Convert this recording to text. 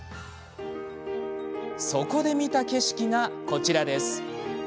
そこで見た景色が、こちら。